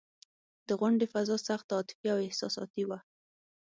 د غونډې فضا سخته عاطفي او احساساتي وه.